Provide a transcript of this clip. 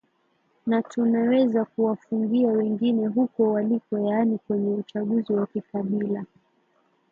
na tuneweza kuwafungia wengine huko waliko yaani kwenye uchaguzi wa kikabila